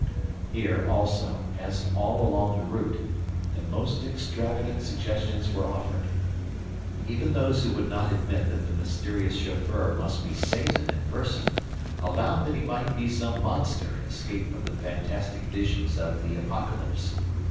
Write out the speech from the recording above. Here, also, as all along the route, the most extravagant suggestions were offered. Even those who would not admit that the mysterious chauffeur must be Satan in person allowed that he might be some monster escaped from the fantastic visions of the Apocalypse.